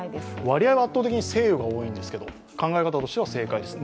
割合は圧倒的に晴雨が多いんですけど考え方としては正解です。